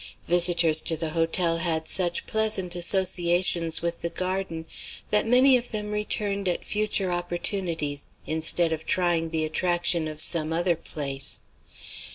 Visitors to the hotel had such pleasant associations with the garden that many of them returned at future opportunities instead of trying the attraction of some other place.